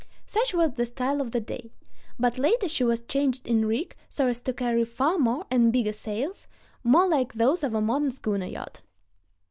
Such was the style of the day; but later she was changed in rig so as to carry far more and bigger sails, more like those of a modern schooner yacht.